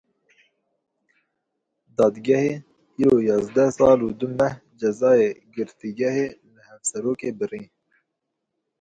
Dadgehê îro yazdeh sal û du meh cezayê girtîgehê li Hevserokê birî.